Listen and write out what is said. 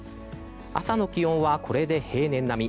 朝の気温はこれで平年並み。